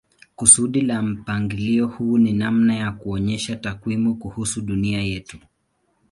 Kusudi la mpangilio huu ni namna ya kuonyesha takwimu kuhusu dunia yetu.